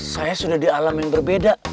saya sudah di alam yang berbeda